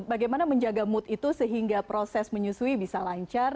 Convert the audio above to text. bagaimana menjaga mood itu sehingga proses menyusui bisa lancar